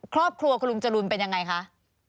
ครอบครัวคุณลุงจรูนเป็นยังไงคะ